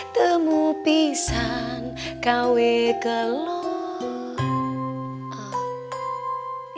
temu pisang kaui gelok